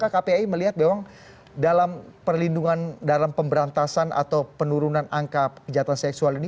dalam perlindungan dalam pemberantasan atau penurunan angka kejahatan seksual ini